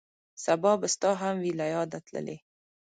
سبا به ستا هم وي له یاده تللی